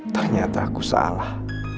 ternyata aku salah